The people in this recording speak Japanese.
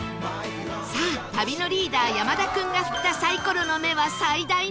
さあ旅のリーダー山田君が振ったサイコロの目は最大の「３」